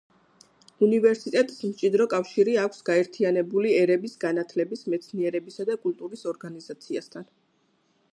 უნივერსიტეტს მჭიდრო კავშირის აქვს გაერთიანებული ერების განათლების, მეცნიერებისა და კულტურის ორგანიზაციასთან.